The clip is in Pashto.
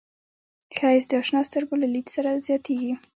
ښایست د اشنا سترګو له لید سره زیاتېږي